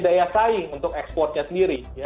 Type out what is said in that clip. daya saing untuk ekspornya sendiri